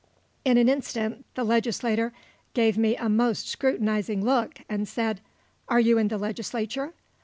In an instant the legislator gave me a most scrutinizing look, and said: "Are you in the legislature?"